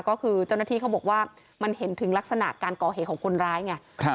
ก็คือเจ้าหน้าที่เขาบอกว่ามันเห็นถึงลักษณะการก่อเหตุของคนร้ายไง